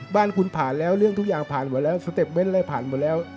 บ้านคุณผ่านแล้วเรื่องทุกอย่างผ่านแล้ว